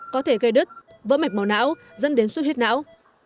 có thể gây đứt vỡ mạch màu não dẫn đến suốt huyết não